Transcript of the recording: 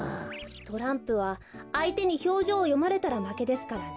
トランプはあいてにひょうじょうをよまれたらまけですからね。